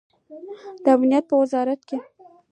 د امنیت په وزارت کې